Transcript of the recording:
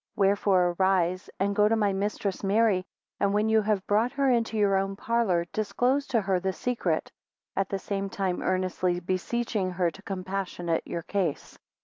Wherefore arise, go to my mistress Mary, and when you have brought her into your own parlour, disclose to her the secret, at the same time earnestly beseeching her to compassionate your case.